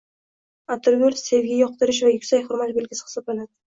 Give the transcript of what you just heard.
Atirgul – sevgi, yoqtirish va «yuksak hurmat» belgisi hisoblanadi.